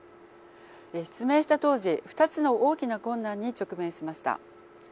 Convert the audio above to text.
失明した当時２つの大きな困難に直面しました。